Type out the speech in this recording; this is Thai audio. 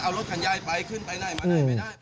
เอารถคันยายไปขึ้นไปไหนมาไหนไม่ได้